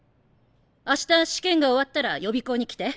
明日試験が終わったら予備校に来て。